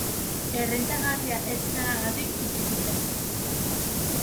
Errentagarria ez izanagatik itxi zuten.